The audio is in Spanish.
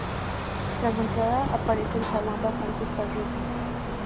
Tras la entrada aparece el zaguán bastante espacioso.